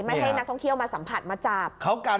ไม่ให้นักท่องเที่ยวมาสัมผัสมาจับ